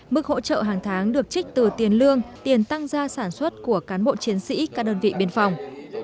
mức hỗ trợ hàng tháng được trích từ tiền lương tiền tăng gia sản xuất của cán bộ chiến sĩ các đơn vị biên phòng